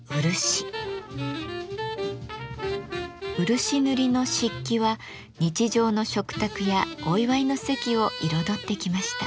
漆塗りの漆器は日常の食卓やお祝いの席を彩ってきました。